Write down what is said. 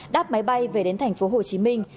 đáp máy bay về đến thành phố hồ chí minh